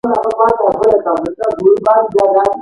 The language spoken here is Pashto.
لاسونه د ماشومتوب یادونه ده